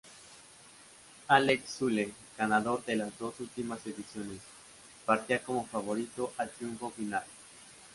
Alex Zülle, ganador de las dos últimas ediciones, partía como favorito al triunfo final.